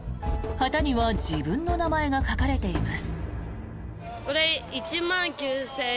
旗には自分の名前が書かれています。